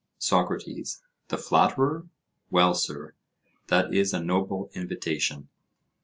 SOCRATES: The flatterer? well, sir, that is a noble invitation.